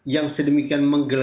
yang sedemikian menggelap